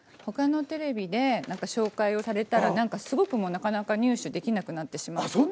他のテレビで紹介をされたらすごくなかなか入手できなくなってしまった。